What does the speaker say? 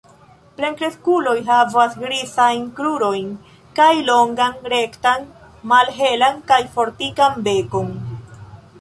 Plenkreskuloj havas grizajn krurojn kaj longan, rektan, malhelan kaj fortikan bekon.